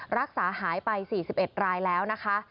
รักษาหายไป๔๑รายแล้วนะคะ